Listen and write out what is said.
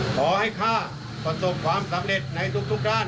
ข้าประสบความสำเร็จในทุกด้าน